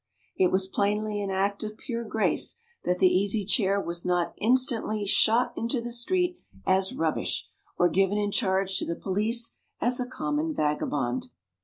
It was plainly an act of pure grace that the Easy Chair was not instantly shot into the street as rubbish, or given in charge to the police as a common vagabond.